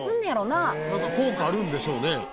なんか効果あるんでしょうね。